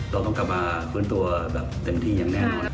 เราต้องกลับมาฟื้นตัวแบบเต็มที่อย่างแน่นอน